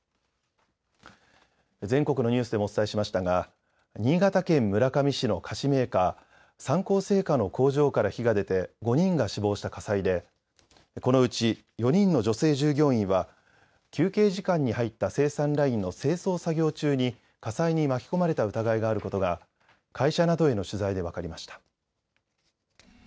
全国のニュースでもお伝えしましたが新潟県村上市の菓子メーカー、三幸製菓の工場から火が出て５人が死亡した火災でこのうち４人の女性従業員は休憩時間に入った生産ラインの清掃作業中に火災に巻き込まれた疑いがあることが会社などへの取材で分かりました。